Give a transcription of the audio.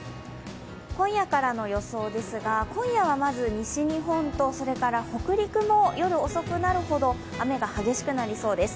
今夜からの予想ですが、今夜はまず西日本とそれから北陸も夜遅くなるほど雨が激しくなりそうです。